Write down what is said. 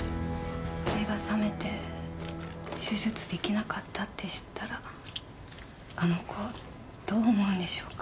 目が覚めて手術できなかったって知ったらあの子どう思うんでしょうか。